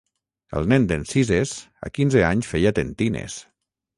El nen d'en Cises a quinze anys feia tentines.